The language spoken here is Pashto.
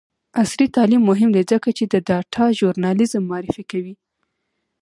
عصري تعلیم مهم دی ځکه چې د ډاټا ژورنالیزم معرفي کوي.